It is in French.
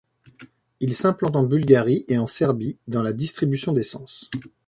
Elle s'implante en Bulgarie et en Serbie dans la distribution d'essence.